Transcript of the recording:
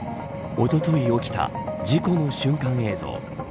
おととい起きた事故の瞬間映像。